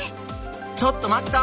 ちょっと待った！